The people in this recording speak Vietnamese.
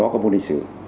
trong đó có môn lịch sử